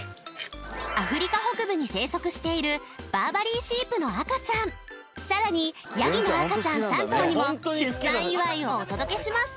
アフリカ北部に生息しているバーバリーシープの赤ちゃんさらにヤギの赤ちゃん３頭にも出産祝いをお届けします